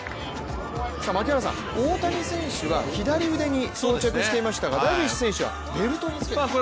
槙原さん、大谷選手は左腕に装着していましたがダルビッシュ選手はベルトにつけてましたね。